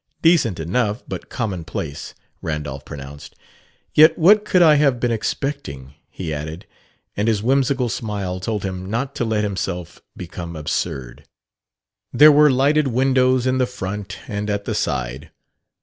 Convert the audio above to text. "Decent enough, but commonplace," Randolph pronounced. "Yet what could I have been expecting?" he added; and his whimsical smile told him not to let himself become absurd. There were lighted windows in the front and at the side.